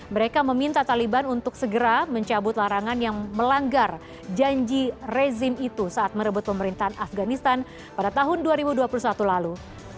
mereka meminta taliban untuk segera mencabut larangan yang melanggar janji rezim itu saat merebut pemerintahan afganistan pada tahun dua ribu dua puluh satu lalu